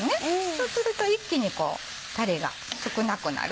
そうすると一気にタレが少なくなる。